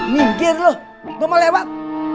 mikir loh gue mau lewat